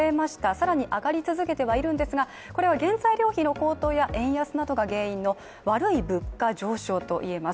更に上がり続けてはいるんですがこれは原材料費の高騰や円安などが原因の悪い物価上昇といえます。